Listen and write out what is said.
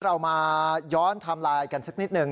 เรามาย้อนไทม์ไลน์กันสักนิดหนึ่ง